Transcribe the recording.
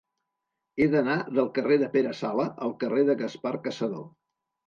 He d'anar del carrer de Pere Sala al carrer de Gaspar Cassadó.